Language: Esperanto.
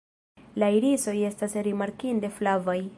La irisoj estas rimarkinde flavaj.